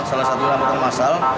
salah satu angkutan masal